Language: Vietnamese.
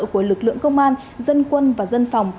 của lực lượng công an dân quân và dân phòng